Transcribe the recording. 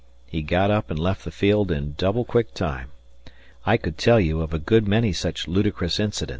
He got up and left the field in double quick time. I could tell you of a good many such ludicrous incidents.